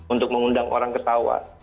untuk mengundang orang ketawa